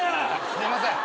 すいません。